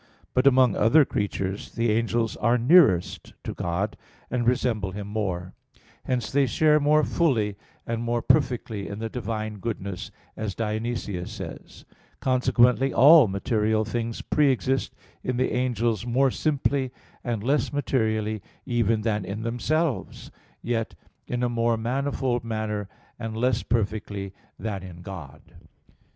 1). But among other creatures the angels are nearest to God, and resemble Him most; hence they share more fully and more perfectly in the Divine goodness, as Dionysius says (Coel. Hier. iv). Consequently, all material things pre exist in the angels more simply and less materially even than in themselves, yet in a more manifold manner and less perfectly than in God.